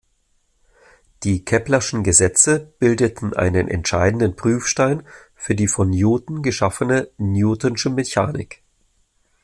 Die Keplerschen Gesetze bildeten einen entscheidenden Prüfstein für von Newton geschaffene Newtonschen Mechanik.